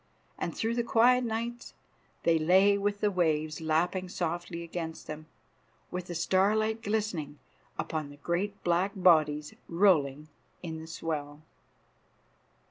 And through the quiet nights they lay with the waves lapping softly against them, with the starlight glistening upon the great black bodies rolling in the swell.